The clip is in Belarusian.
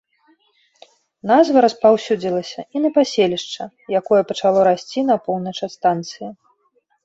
Назва распаўсюдзілася і на паселішча, якое пачало расці на поўнач ад станцыі.